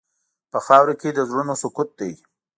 په خاوره کې د زړونو سکوت دی.